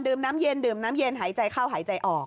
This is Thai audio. น้ำเย็นดื่มน้ำเย็นหายใจเข้าหายใจออก